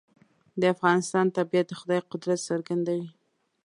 د افغانستان طبیعت د خدای قدرت څرګندوي.